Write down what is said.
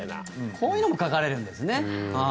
こういうのも書かれるんですね。